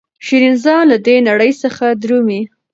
شیرین ځان له دې نړۍ څخه درومي.